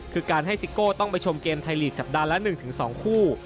คือการให้ซิโก้ต้องไปชมเกมไทยลีกสัปดาห์ละ๑๒คู่